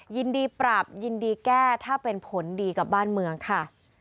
ยินดีปรับยินดีแก้ถ้าเป็นผลดีกับบ้านเมืองค่ะ